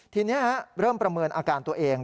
ทีนี้เริ่มประเมินอาการตัวเอง